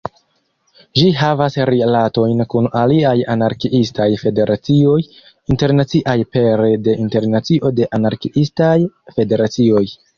Ĝi havas rilatojn kun aliaj anarkiistaj federacioj internaciaj pere de Internacio de Anarkiistaj Federacioj.